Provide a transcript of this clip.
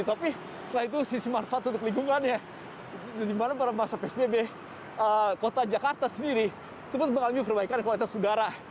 tapi setelah itu sisi manfaat untuk lingkungannya dimana para masyarakat sbb kota jakarta sendiri sempat mengambil perbaikan kekuatan udara